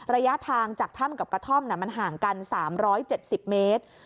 ระยะทางจากถ้ำกับกระท่อมมันห่างกัน๓๗๐เมตร